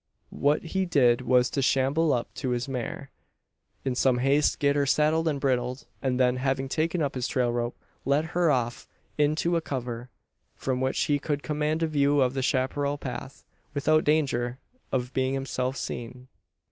What he did was to shamble up to his mare; in some haste get her saddled and bridled; and then, having taken up his trail rope, lead her off into a cover from which he could command a view of the chapparal path, without danger of being himself seen.